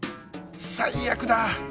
最悪だ！